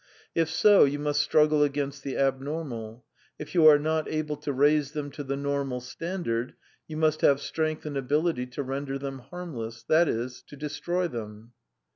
If so you must struggle against the abnormal; if you are not able to raise them to the normal standard you must have strength and ability to render them harmless that is, to destroy them."